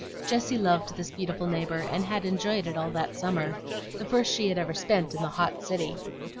Jessie loved this beautiful neighbor, and had enjoyed it all that summer, the first she ever spent in the hot city.